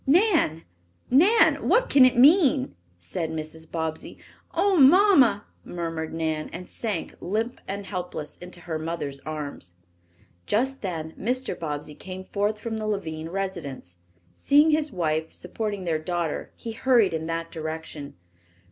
"Nan, Nan! what can it mean?" said Mrs. Bobbsey. "Oh, mamma!" murmured Nan, and sank, limp and helpless, into her mother's arms. Just then Mr. Bobbsey came forth from the Lavine residence. Seeing his wife supporting their daughter, he hurried in that direction.